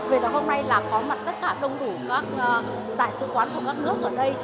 vì hôm nay có mặt tất cả đông đủ các đại sứ quán của các nước ở đây